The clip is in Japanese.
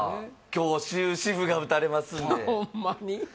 今日終止符が打たれますんでホンマに？